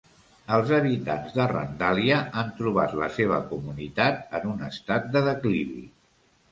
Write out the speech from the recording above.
Els habitants de Randalia han trobat la seva comunitat en un estat de declivi.